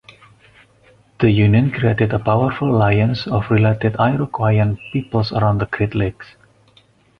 The union created a powerful alliance of related Iroquoian peoples around the Great Lakes.